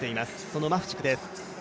そのマフチクです。